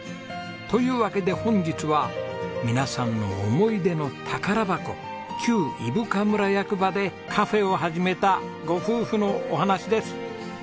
というわけで本日は皆さんの思い出の宝箱旧伊深村役場でカフェを始めたご夫婦のお話です。